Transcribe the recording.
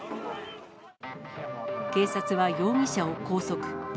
警察は容疑者を拘束。